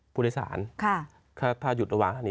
ผู้โดยสารถ้าหยุดระหว่างนี้